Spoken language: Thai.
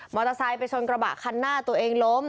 ไซค์ไปชนกระบะคันหน้าตัวเองล้ม